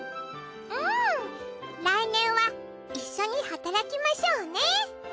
うん来年はいっしょに働きましょうね。